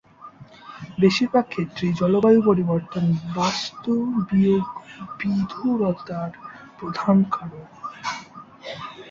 বেশিরভাগ ক্ষেত্রেই জলবায়ু পরিবর্তন বাস্তু-বিয়োগবিধুরতার প্রধান কারণ।